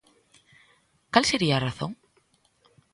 ¿Cal sería a razón?